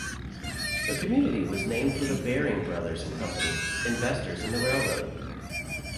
The community was named for the Baring Brothers and Company, investors in the railroad.